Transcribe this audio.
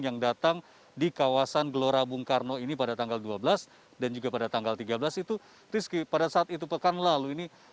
yang datang di kawasan gelora bung karno ini pada tanggal dua belas dan juga pada tanggal tiga belas itu rizky pada saat itu pekan lalu ini